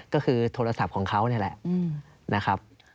ก็คือโทรศัพท์ของเขานี่แหละนะครับ